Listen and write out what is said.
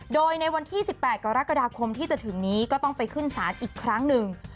โดยในวันที่๑๘กรกฎาคมที่จะถึงนี้ก็ต้องไปขึ้นศาลอีกครั้งหนึ่ง